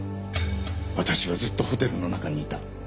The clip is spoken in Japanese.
私はずっとホテルの中にいた。